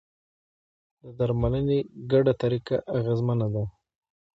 د درملنې ګډه طریقه اغېزمنه ده.